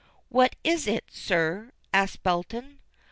"What is it, sir?" asked Belton.